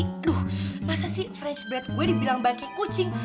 aduh masa sih french bread gue dibilang bahan kayak kucing